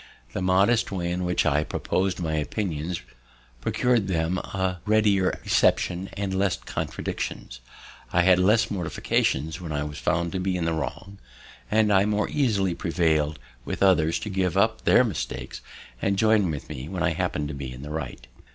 The modest way in which I propos'd my opinions procur'd them a readier reception and less contradiction; I had less mortification when I was found to be in the wrong, and I more easily prevail'd with others to give up their mistakes and join with me when I happened to be in the right.